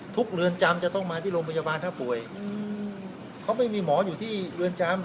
เรือนจำจะต้องมาที่โรงพยาบาลถ้าป่วยเขาไม่มีหมออยู่ที่เรือนจำ